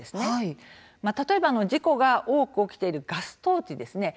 例えば事故が多く起きているガストーチですね